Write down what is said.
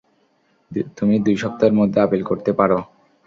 তুমি দুই সপ্তাহের মধ্যে আপিল করতে পারো।